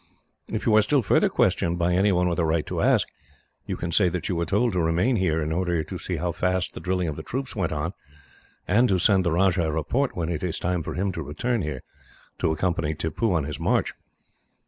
"If you are still further questioned by anyone with a right to ask, you can say that you were told to remain here, in order to see how fast the drilling of the troops went on, and to send the Rajah a report when it is time for him to return here to accompany Tippoo on his march.